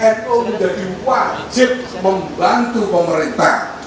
nu menjadi wajib membantu pemerintah